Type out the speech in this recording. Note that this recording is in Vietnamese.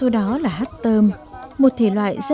nổi bật trong số đó là hát tơm một thể loại dân ch epsilon